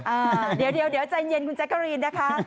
เดี๋ยวใจเย็นคุณจักรีนนะคะ